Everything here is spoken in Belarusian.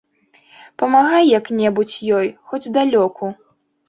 Памагай як-небудзь ёй, хоць здалёку.